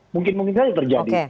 mungkin mungkin saja terjadi